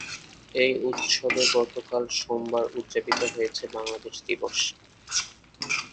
এই উৎসবে গতকাল সোমবার উদ্যাপিত হয়েছে বাংলাদেশ দিবস।